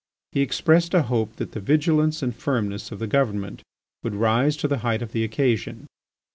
He expressed a hope that the vigilance and firmness of the Government would rise to the height of the occasion.